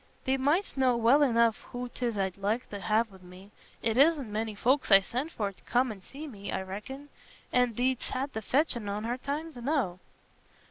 "Thee mightst know well enough who 'tis I'd like t' ha' wi' me. It isna many folks I send for t' come an' see me. I reckon. An' thee'st had the fetchin' on her times enow."